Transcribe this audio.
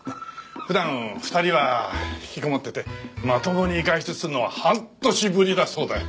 普段２人はひきこもっててまともに外出するのは半年ぶりだそうだよ。